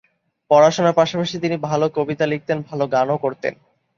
পড়াশোনার পাশাপাশি তিনি ভালো কবিতা লিখতেন, ভালো গানও করতেন।